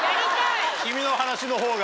君の話の方が。